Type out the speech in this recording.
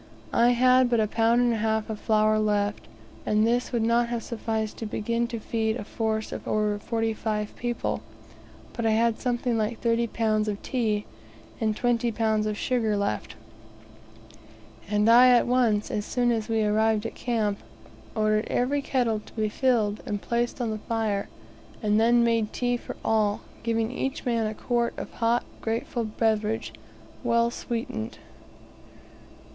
I had but a pound and a half of flour left, and this would not have sufficed to begin to feed a force of over forty five people; but I had something like thirty pounds of tea, and twenty pounds of sugar left, and I at once, as soon as we arrived at camp, ordered every kettle to be filled and placed on the fire, and then made tea for all; giving each man a quart of a hot, grateful beverage; well sweetened.